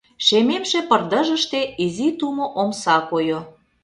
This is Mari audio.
Шемемше пырдыжыште изи тумо омса койо.